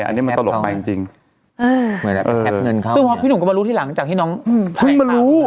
อันนี้มันตลกไปจริงจึงพี่หนูก็มารู้ที่หลังจากที่น้องมารู้